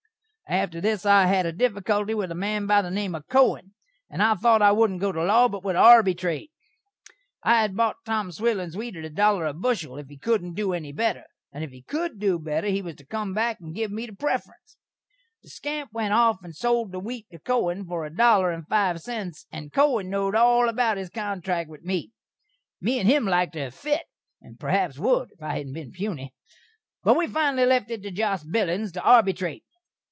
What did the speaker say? After this I had a diffikulty with a man by the name of Kohen, and I thot I wouldn't go to law, but would arbytrate. I had bot Tom Swillins' wheat at a dollar a bushel, if he couldn't do any better, and if he could do better he was to cum back and giv me the prefferense. The skamp went off and sold the wheat to Kohen for a dollar and five cents, and Kohen knowd all about his kontrak with me. Me and him lik to hav fit, and perhaps would, if I hadn't been puny; but we finally left it to Josh Billins to arbytrate.